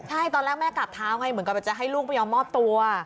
ใช่ตอนแรกแม่กลับเท้าไงเหมือนกับแบบจะให้ลูกไม่ยอมมอบตัว